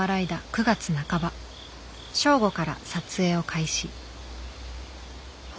９月半ば正午から撮影を開始。